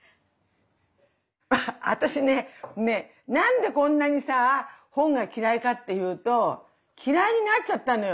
私ね何でこんなにさ本が嫌いかっていうと嫌いになっちゃったのよ。